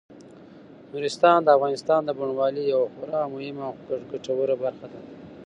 نورستان د افغانستان د بڼوالۍ یوه خورا مهمه او ګټوره برخه ده.